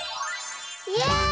イエイ！